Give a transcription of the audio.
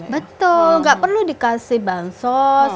betul nggak perlu dikasih bansos